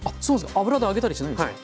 油で揚げたりしないんですか？